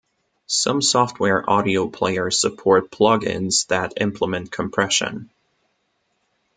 Some software audio players support plugins that implement compression.